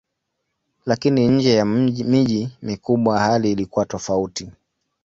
Lakini nje ya miji mikubwa hali ilikuwa tofauti.